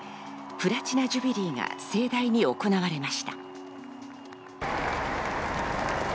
プラチナ・ジュビリーが盛大に行われました。